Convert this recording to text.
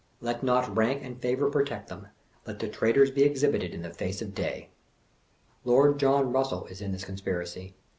Let not, rank and favor protect them. Let the traitors be exhibited in the face of day! Lord John Eussell is in this conspiracy.